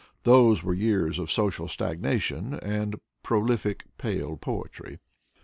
Those were years of social stagnation and prolific, pale poetry.